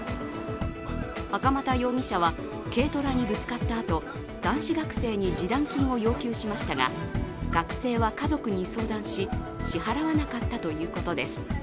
袴田容疑者は軽トラにぶつかったあと、男子学生に示談金を要求しましたが学生は家族に相談し支払わなかったということです。